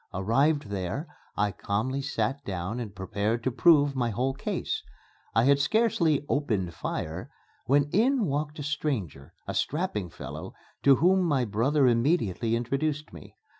Arrived there, I calmly sat down and prepared to prove my whole case. I had scarcely "opened fire" when in walked a stranger a strapping fellow, to whom my brother immediately introduced me.